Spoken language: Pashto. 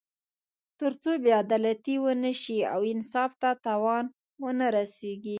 تر څو بې عدالتي ونه شي او انصاف ته تاوان ونه رسېږي.